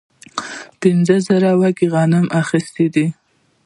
پنځه زره وږي غنم اخیستي دي.